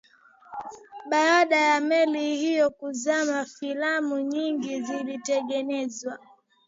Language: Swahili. baada ya meli hiyo kuzama filamu nyingi zilitengenezwa